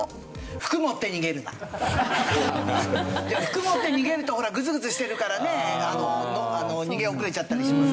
服持って逃げるとほらぐずぐずしてるからね逃げ遅れちゃったりしますから。